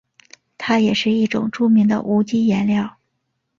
它也是一种著名的无机颜料。